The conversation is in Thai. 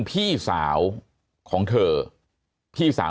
มีความรู้สึกว่า